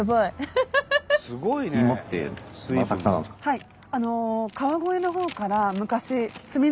はい。